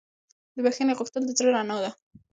د بښنې غوښتل د زړه رڼا ده.